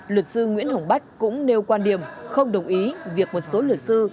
luật sư nguyễn hồng bách cũng nêu quan điểm không đồng ý việc một số luật sư